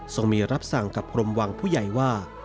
ส่งมีรับสั่งกับกรมวังผู้ใหญ่ว่า